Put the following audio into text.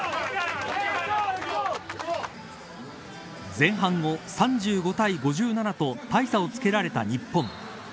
前半を３５対５７と大差をつけられた日本。